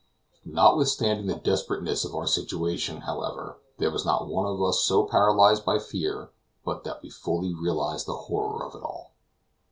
Notwithstanding the desperateness of our situation, however, there was not one of us so paralyzed by fear, but that we fully realized the horror of it all.